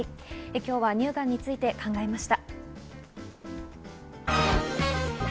今日は乳がんについて考えました。